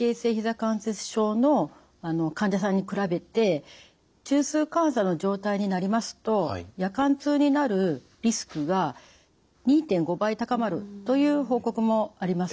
関節症の患者さんに比べて中枢感作の状態になりますと夜間痛になるリスクが２．５倍高まるという報告もあります。